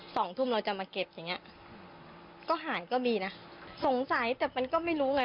สองทุ่มเราจะมาเก็บอย่างเงี้ยก็หายก็มีนะสงสัยแต่มันก็ไม่รู้ไง